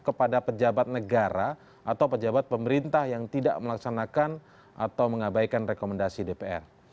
kepada pejabat negara atau pejabat pemerintah yang tidak melaksanakan atau mengabaikan rekomendasi dpr